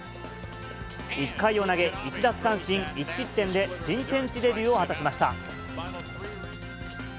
１回を投げ、１奪三振１失点で、新天地デビューを果たしました。